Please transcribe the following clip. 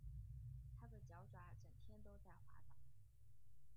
它的脚爪整天都在滑倒